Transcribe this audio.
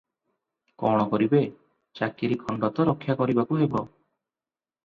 କଣ କରିବେ, ଚାକିରି ଖଣ୍ଡ ତ ରକ୍ଷା କରିବାକୁ ହେବ ।